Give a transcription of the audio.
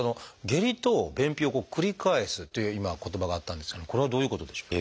下痢と便秘を繰り返すっていう今言葉があったんですけどもこれはどういうことでしょう？